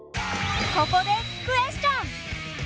ここでクエスチョン！